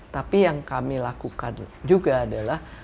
tapi yang kami lakukan juga adalah